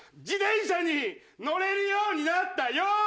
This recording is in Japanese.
自転車に乗れるようになったよ！